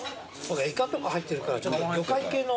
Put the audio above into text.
イカとか入ってるから魚介系の。